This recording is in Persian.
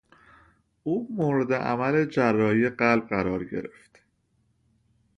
او مورد عمل جراحی قلب قرار گرفت.